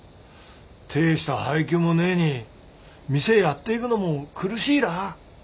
大した配給もねえに店やっていくのも苦しいら？